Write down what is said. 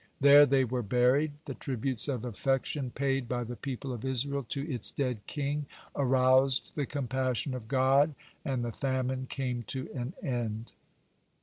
There they were buried. The tributes of affection paid by the people of Israel to its dead king aroused the compassion of God, and the famine came to an end.